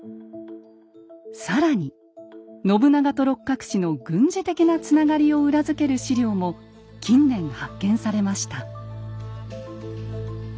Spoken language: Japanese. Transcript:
更に信長と六角氏の軍事的なつながりを裏付ける史料も近年発見されました。